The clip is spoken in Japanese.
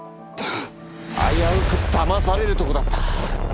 危うくだまされるとこだった。